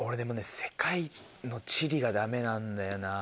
世界の地理がダメなんだよな。